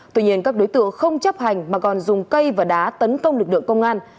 tuy nhiên các đối tượng không chấp hành mà còn dùng cây và đá tấn công lực lượng công an